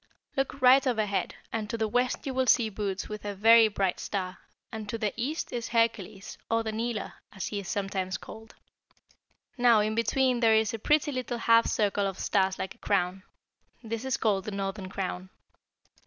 "Look right overhead, and to the west you will see Bootes with a very bright star; and to the east is Hercules, or the Kneeler, as he is sometimes called. Now, in between there is a pretty little half circle of stars like a crown. This is called the Northern Crown."